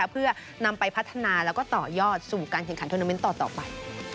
เพื่อนำไปพัฒนาแล้วก็ต่อยอดสู่การแข่งขันทวนาเมนต์ต่อไป